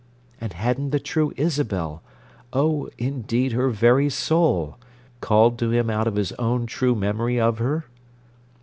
And hadn't the true Isabel—oh, indeed her very soul!—called to him out of his own true memory of her?